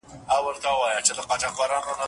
په جرګو کي به ګرېوان ورته څیرمه